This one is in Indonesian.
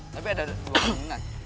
tapi ada dua pengguna